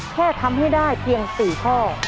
แค่ทำให้ได้เพียง๔ข้อ